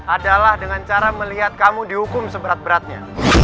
adalah dengan cara melihat kamu dihukum seberat beratnya